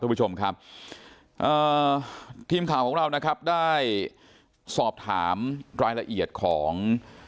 คุณผู้ชมครับทีมข่าวของเรานะครับได้สอบถามรายละเอียดของ